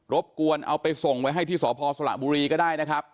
บกวนเอาไปส่งไว้ให้ที่สพสละบุรีก็ได้นะครับ